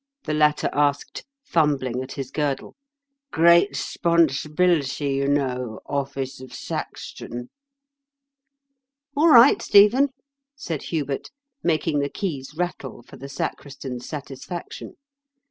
the latter asked, fumbling at his girdle. " Great 'sponsibility, you know, office of sac stan." *' All right, Stephen," said Hubert, making the keys rattle for the sacristan's satisfaction.